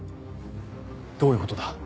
どういうことだ？